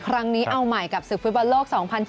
ครั้งนี้เอาใหม่กับศึกฟุตบอลโลก๒๐๒๐